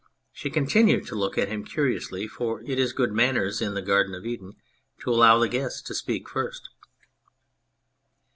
She continued to look at him curiously, for it is good manners in the Garden of Eden to allow the guest to speak first.